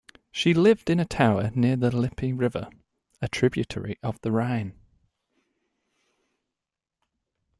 She lived in a tower near the Lippe River, a tributary of the Rhine.